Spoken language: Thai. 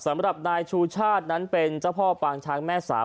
สำหรับนายชูชาตินั้นเป็นเจ้าพ่อปางช้างแม่สาบ